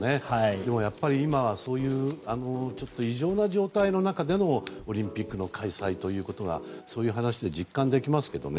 でも、やっぱり異常な状態の中でのオリンピックの開催ということはそういう話で実感できますけどね。